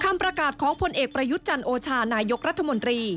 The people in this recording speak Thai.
คำปรากฏของผลเอกประยุจจันทร์โอชานายยกรัฐมนตรี